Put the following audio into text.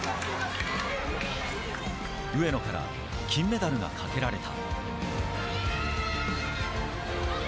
上野から金メダルがかけられた。